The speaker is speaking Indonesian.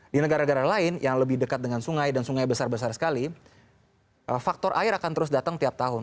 di negara negara lain yang lebih dekat dengan sungai dan sungai besar besar sekali faktor air akan terus datang tiap tahun